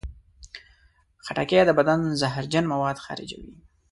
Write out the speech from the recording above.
خټکی د بدن زهرجن مواد خارجوي.